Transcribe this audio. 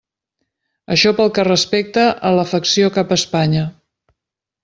Això pel que respecta a l'afecció cap a Espanya.